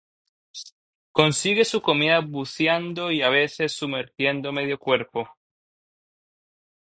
Consigue su comida buceando y a veces sumergiendo medio cuerpo.